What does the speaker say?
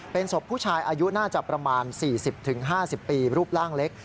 เป็นศพผู้ชายอายุน่าจะประมาณ๔๐๕๐ปีรูปร่างเล็ก